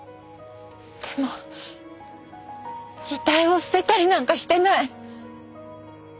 でも遺体を捨てたりなんかしてない！